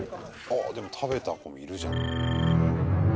ああ、でも食べた子もいるじゃん。